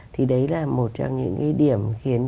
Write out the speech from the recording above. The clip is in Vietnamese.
thì đấy là một trong những cái điểm khiến